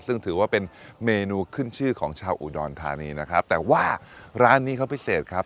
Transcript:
ซึ่งถือว่าเป็นเมนูขึ้นชื่อของชาวอุดรธานีนะครับแต่ว่าร้านนี้เขาพิเศษครับ